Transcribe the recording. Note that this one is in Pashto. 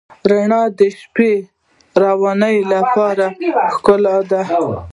رڼا د شپهروانو لپاره یوه ښکلا ده.